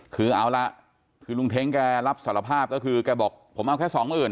คือเอาล่ะคือลุงเท้งแกรับสารภาพก็คือแกบอกผมเอาแค่สองหมื่น